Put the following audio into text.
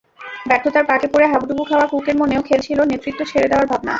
ব্যর্থতার পাকে পড়ে হাবুডুবু খাওয়া কুকের মনেও খেলছিল নেতৃত্ব ছেড়ে দেওয়ার ভাবনা।